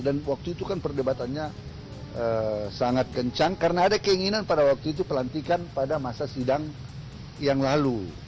dan waktu itu kan perdebatannya sangat kencang karena ada keinginan pada waktu itu pelantikan pada masa sidang yang lalu